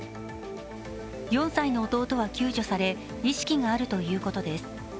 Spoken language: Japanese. ４歳の弟は救助され意識があるということです。